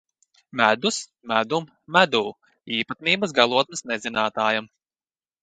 Medus, medum, medū - īpatnas galotnes nezinātājam.